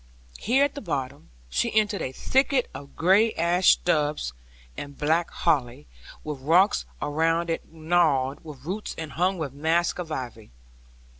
Here at the bottom, she entered a thicket of gray ash stubs and black holly, with rocks around it gnarled with roots, and hung with masks of ivy.